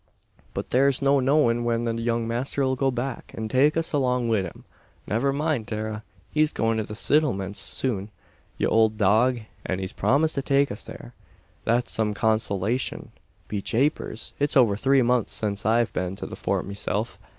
But there's no knowin' when the young masther 'll go back, an take us along wid him. Niver mind, Tara! He's goin' to the Sittlements soon, ye owld dog; an he's promised to take us thare; that's some consolashun. Be japers! it's over three months since I've been to the Fort, meself.